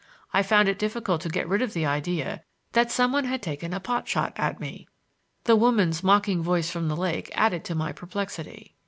I found it difficult to get rid of the idea that some one had taken a pot shot at me. The woman's mocking voice from the lake added to my perplexity.